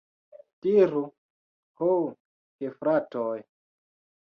Diru, ho gefratoj!